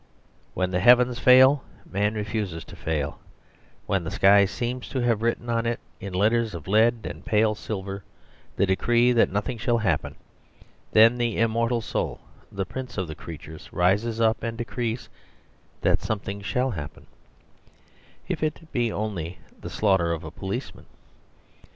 When the heavens fail man refuses to fail; when the sky seems to have written on it, in letters of lead and pale silver, the decree that nothing shall happen, then the immortal soul, the prince of the creatures, rises up and decrees that something shall happen, if it be only the slaughter of a policeman.